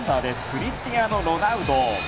クリスティアーノ・ロナウド。